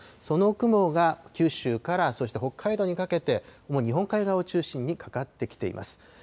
その雲が九州からそして北海道にかけて、日本海側を中心にかかってきています。